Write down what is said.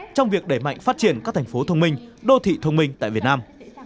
trong việc đẩy mạnh phát triển các thành phố thông minh đô thị thông minh tại việt nam